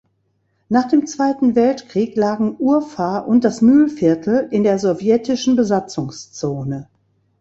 Nach dem Zweiten Weltkrieg lagen Urfahr und das Mühlviertel in der Sowjetischen Besatzungszone.